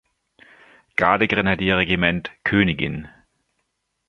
Garde-Grenadier-Regiment „Königin“.